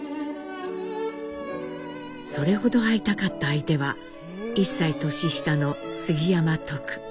それほど会いたかった相手は１歳年下の杉山トク。